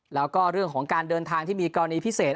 แล้วก็เรื่องของการเดินทางที่มีกรณีพิเศษ